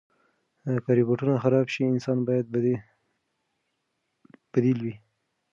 که روبوټونه خراب شي، انسان باید بدیل وي.